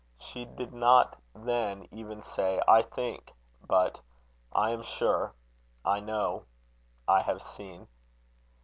She did not then even say I think, but, I am sure; I know; I have seen.